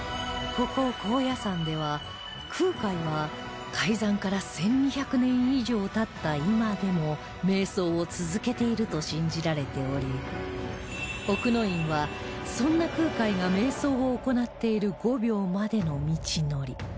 ここ高野山では空海は開山から１２００年以上経った今でも瞑想を続けていると信じられており奥之院はそんな空海が瞑想を行っている御廟までの道のり